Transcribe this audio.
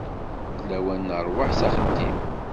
D lawan n rrwaḥ s axeddim.